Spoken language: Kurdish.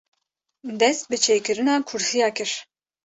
dest bi çêkirina kursîya kir